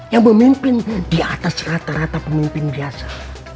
yang memimpin di atas rata rata pemimpin biasa